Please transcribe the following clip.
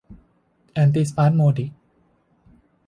แอนติสปาสโมดิก